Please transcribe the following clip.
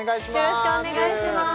よろしくお願いします